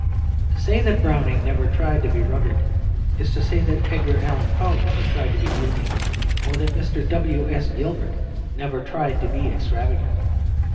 To say that Browning never tried to be rugged is to say that Edgar Allan Poe never tried to be gloomy, or that Mr. W.S. Gilbert never tried to be extravagant.